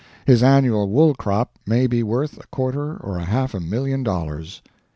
His annual wool crop may be worth a quarter or a half million dollars.